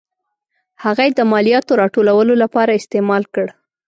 هغه یې د مالیاتو راټولولو لپاره استعمال کړ.